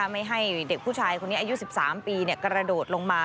ไม่ให้เด็กผู้ชายคนนี้อายุ๑๓ปีกระโดดลงมา